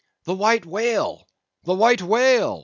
'The White Whale—the White Whale!